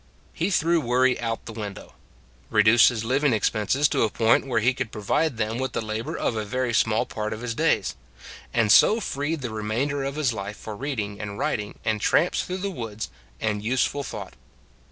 He threw worry out of the window; re duced his living expenses to a point where he could provide them with the labor of a very small part of his days; and so freed the remainder of his life for reading and writing and tramps through the woods and useful thought.